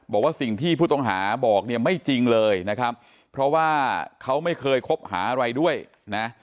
บอกว่าสิ่งที่ผู้ต้องหาบอกเนี่ยไม่จริงเลยนะครับเพราะว่าเขาไม่เคยคบหาอะไรด้วยนะ